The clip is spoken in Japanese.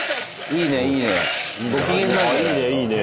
いいねいいね。